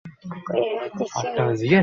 আমরা তোমাদের সাথে থাকবো।